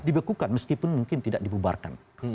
dibekukan meskipun mungkin tidak dibubarkan